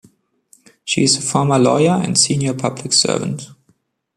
She is a former lawyer and senior public servant.